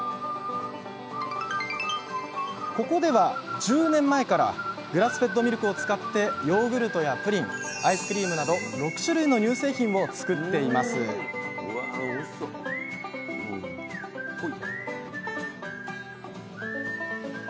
ここでは１０年前からグラスフェッドミルクを使ってヨーグルトやプリンアイスクリームなど６種類の乳製品を作っていますうわ